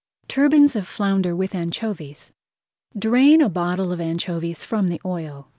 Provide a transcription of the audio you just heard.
TURBANS OF FLOUNDER WITH ANCHOVIES Drain a bottle of anchovies from the oil.